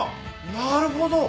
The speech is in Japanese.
なるほど。